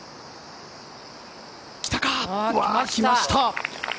来ました！